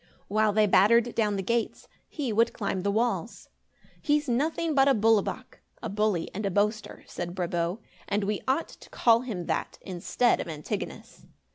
While they battered down the gates, he would climb the walls. "He's nothing but a 'bulle wak'" (a bully and a boaster), said Brabo, "and we ought to call him that, instead of Antigonus."